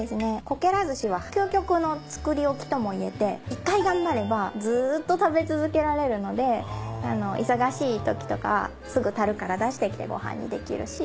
こけらずしは究極の作り置きとも言えて一回頑張ればずっと食べ続けられるので忙しいときとかすぐたるから出してきてご飯にできるし。